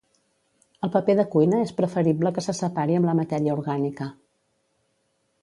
El paper de cuina és preferible que se separi amb la matèria orgànica.